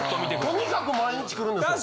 とにかく毎日来るんです。